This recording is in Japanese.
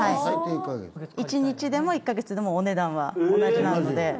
１日でも１カ月でもお値段は同じなので。